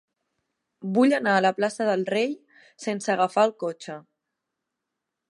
Vull anar a la plaça del Rei sense agafar el cotxe.